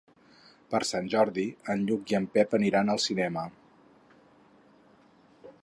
Per Sant Jordi en Lluc i en Pep aniran al cinema.